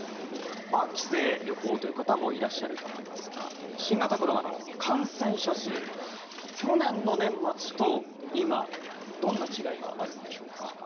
帰省、旅行という方もいらっしゃると思いますが新型コロナの感染者数去年の年末と今どんな違いがあるんでしょうか。